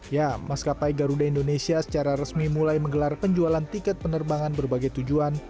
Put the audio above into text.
ya maskapai garuda indonesia secara resmi mulai menggelar penjualan tiket penerbangan berbagai tujuan